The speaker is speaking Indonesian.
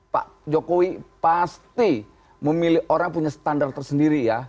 pak jokowi pasti memilih orang punya standar tersendiri ya